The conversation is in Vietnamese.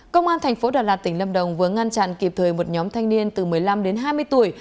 công an thành phố đà lạt tỉnh lâm đồng vừa ngăn chặn kịp thời một nhóm thanh niên từ một mươi năm đến hai mươi tuổi